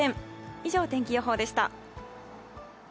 以上、天気予報でした。